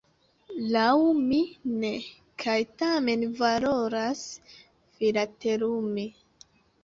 Laŭ mi ne, kaj tamen valoras filatelumi.